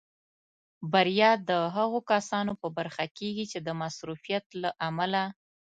بریا د هغو کسانو په برخه کېږي چې د مصروفیت له امله.